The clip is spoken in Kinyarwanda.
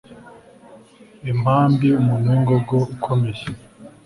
impambi umuntu w'ingogo, ukomeye